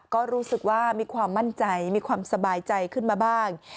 ก็รู้สึกว่ามีความมั่นใจมีความสบายใจขึ้นมาบ้าง